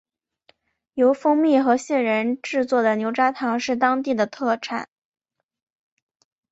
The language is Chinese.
由蜂蜜和杏仁制作的牛轧糖是当地的特产。